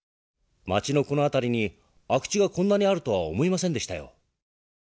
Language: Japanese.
町のこの辺りに空き地がこんなにあるとは思いませんでしたよ。